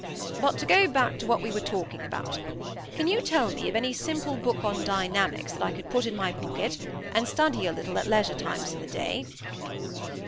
"But to go back to what we were talking about—can you tell me of any simple book on dynamics that I could put in my pocket, and study a little at leisure times in the day?"